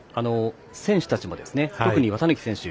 選手たちも、特に綿貫選手